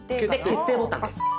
決定ボタンです。